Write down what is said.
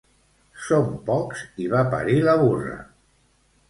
Som pocs i va parir la burra